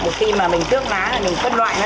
một khi mà mình tước lá thì mình phân loại nó ra